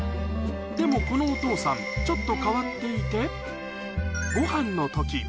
でもこのお父さん、ちょっと変わっていて、ごはんのとき。